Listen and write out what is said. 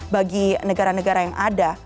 bagi negara negara yang ada